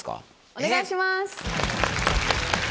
お願いします。